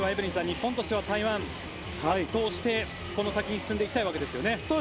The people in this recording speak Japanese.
日本としては台湾を通してこの先に進んでいきたいわけですよね。